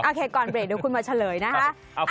ก่อนเบรกเดี๋ยวคุณมาเฉลยนะคะ